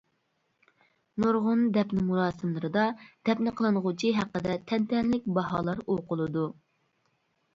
نۇرغۇن دەپنە مۇراسىملىرىدا دەپنە قىلىنغۇچى ھەققىدە تەنتەنىلىك باھالار ئوقۇلىدۇ.